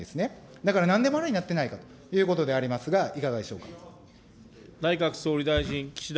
だからなんでもありになってないかということでありますが、いかがでしょうか。